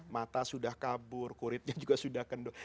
mata sudah kabur kuritnya juga sudah kenduk